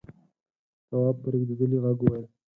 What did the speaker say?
تواب په رېږدېدلي غږ وويل: